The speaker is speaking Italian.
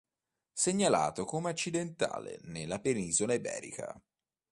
Segnalato come accidentale nella penisola iberica.